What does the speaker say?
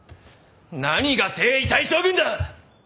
何が征夷大将軍だ！